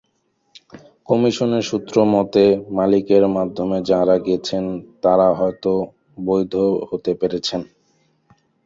কমিশনের সূত্রমতে, মালিকের মাধ্যমে যাঁরা গেছেন, তাঁরা হয়তো বৈধ হতে পেরেছেন।